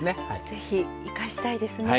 ぜひ生かしたいですね。